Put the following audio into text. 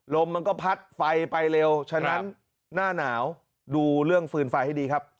ลมมันก็พัดไฟไปเร็วฉะนั้นหน้าหนาวดูเรื่องฟืนไฟให้ดีครับ